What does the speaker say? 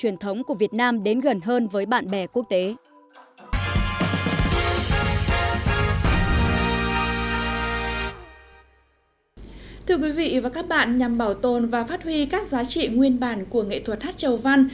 nhằm bảo tồn và phát huy các giá trị nguyên bản của nghệ thuật hát chầu văn